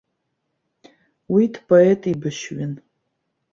Уи дпоетеибашьҩын.